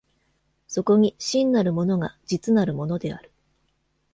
そこに真なるものが実なるものである。